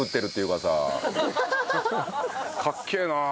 かっけえなあ。